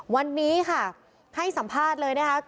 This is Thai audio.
วันนี้ค่ะให้สัมภาษณ์เลยนะคะ